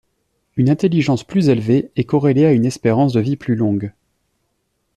Une intelligence plus élevée est corrélée à une espérance de vie plus longue.